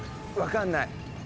分かんない。